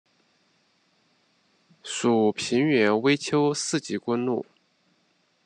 属平原微丘四级公路。